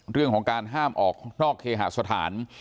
เรื่องของการห้ามออกนอกเคหาสถาน